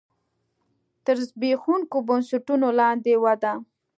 تر زبېښونکو بنسټونو لاندې وده.